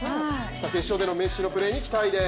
決勝でのメッシのプレーに期待です。